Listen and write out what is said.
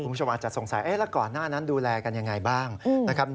คุณผู้ชมอาจจะสงสัยแล้วก่อนหน้านั้นดูแลกันยังไงบ้างนะครับ